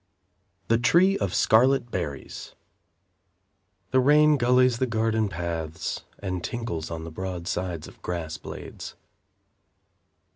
The Tree of Scarlet Berries The rain gullies the garden paths And tinkles on the broad sides of grass blades.